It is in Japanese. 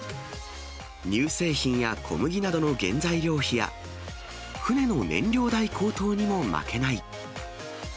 乳製品や小麦などの原材料費や、船の燃料代高騰にも負けない。